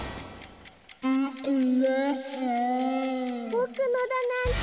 ボクのだなんて。